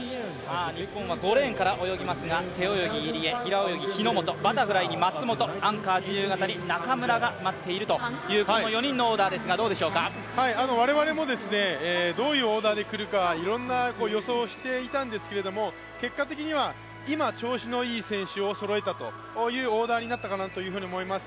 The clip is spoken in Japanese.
日本は５レーンから泳ぎますが、背泳ぎ、入江、平泳ぎ、日本、バタフライに松元、アンカー・自由形に中村が待ってるということで我々もどういうオーダーで来るか、いろんな予想をしていたんですけど結果的には今、調子のいい選手をそろえたというオーダーになったかと思います。